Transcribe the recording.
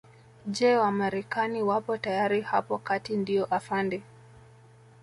Je Wamarekani wapo tayari hapo kati ndio afande